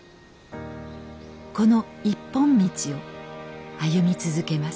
この一本道を歩み続けます。